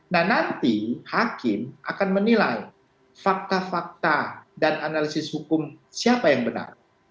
nah nanti hakim akan menilai fakta fakta dan analisis hukum siapa yang benar